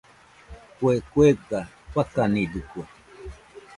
Kue kuega fakanidɨkue.